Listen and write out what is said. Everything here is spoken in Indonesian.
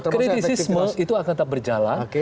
kritisisme itu akan tetap berjalan